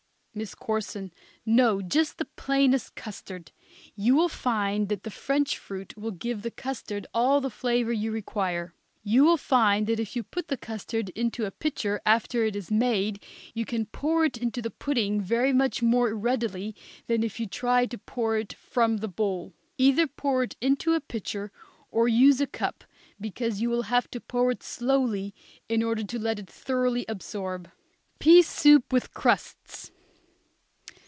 MISS CORSON. No, just the plainest custard. You will find that the French fruit will give the custard all the flavor you require. You will find that if you put the custard into a pitcher after it is made you can pour it into the pudding very much more readily than if you try to pour it from the bowl. Either put it into a pitcher or use a cup, because you will have to pour it slowly in order to let it thoroughly absorb. PEA SOUP WITH CRUSTS.